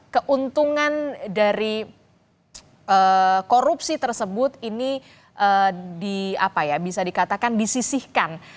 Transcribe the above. keuntungan dari korupsi tersebut ini bisa dikatakan disisihkan